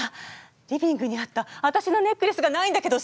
リビングにあったわたしのネックレスがないんだけどさ。